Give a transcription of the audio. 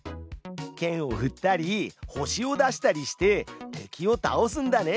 けんをふったり星を出したりして敵を倒すんだね。